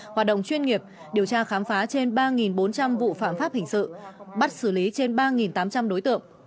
hoạt động chuyên nghiệp điều tra khám phá trên ba bốn trăm linh vụ phạm pháp hình sự bắt xử lý trên ba tám trăm linh đối tượng